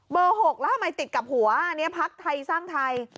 เบอร์๖แล้วทำไมติดกับหัวนี่พรรคไทยสร้างไทย